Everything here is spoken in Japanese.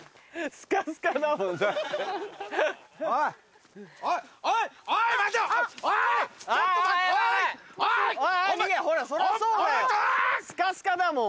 スカスカだもん。